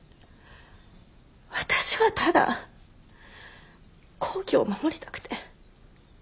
私はただ幸希を守りたくて。